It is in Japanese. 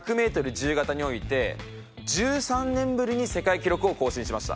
自由形において１３年ぶりに世界記録を更新しました。